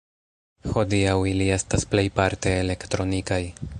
Hodiaŭ ili estas plejparte elektronikaj.